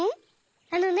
あのね